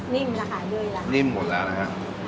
นิ่มนะคะด้วยแล้วนิ่มหมดแล้วนะฮะ